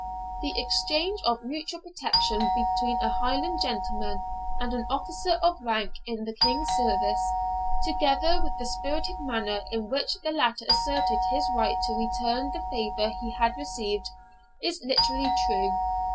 The exchange of mutual protection between a Highland gentleman and an officer of rank in the king's service, together with the spirited manner in which the latter asserted his right to return the favour he had received, is literally true.